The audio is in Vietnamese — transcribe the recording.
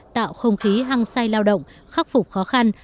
tạo không khí hăng say lao động khắc phục khó khăn